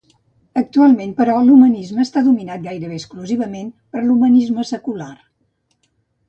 Actualment, però, l'humanisme està dominat gairebé exclusivament per l'humanisme secular.